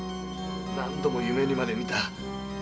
何度も夢にまで見た。